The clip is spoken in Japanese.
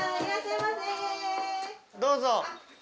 どうぞ！